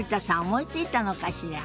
思いついたのかしら。